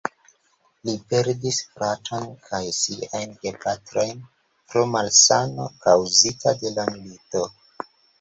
Li perdis fraton kaj siajn gepatrojn pro malsano kaŭzita de la milito.